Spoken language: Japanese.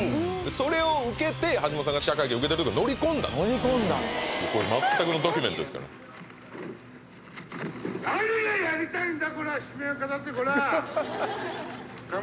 それを受けて橋本さんが記者会見受けてる時に乗り込んだんですこれ全くのドキュメントですからどっちなんだ⁉